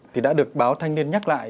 thì đã được báo thanh niên nhắc lại